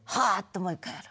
もう一回やる。